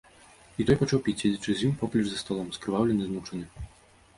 І той пачаў піць, седзячы з імі поплеч за сталом, скрываўлены, змучаны.